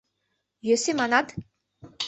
Йӧсӧ манат?